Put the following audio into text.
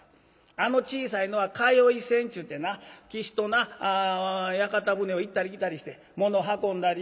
あの小さいのは通い船っちゅうてな岸とな屋形船を行ったり来たりして物運んだり人運んだりすんねん。